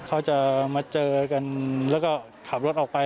เขาจะมาเจอกันแล้วก็ขับรถออกไป